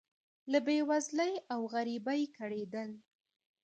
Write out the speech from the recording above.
له بې وزلۍ او غریبۍ کړېدل.